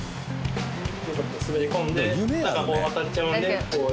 滑り込んで中も当たっちゃうんでこう。